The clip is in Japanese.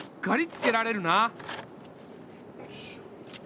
よし。